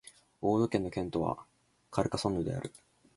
オード県の県都はカルカソンヌである